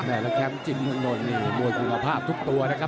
แนวแรกแคมป์จิตมงโดนมวยคุณภาพทุกตัวนะครับ